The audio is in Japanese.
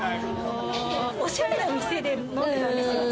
おしゃれな店で飲んでたんですよ。